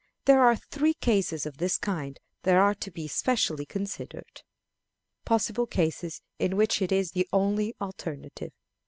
There are three cases of this kind that are to be specially considered. [Illustration: THE RUNAWAY] _Possible Cases in which it is the only Alternative.